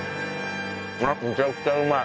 めちゃくちゃうまい。